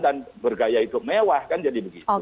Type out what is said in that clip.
dan bergaya itu mewah kan jadi begitu